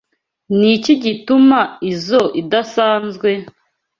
Niki gituma izoi idasanzwe?